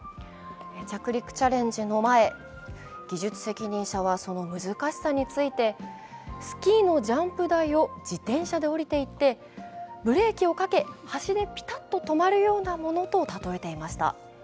着陸チャレンジの前、技術責任者はその難しさについてスキーのジャンプ台を自転車で下りていって、ブレーキをかけ、端でピタッと止まるようなものと例えていました。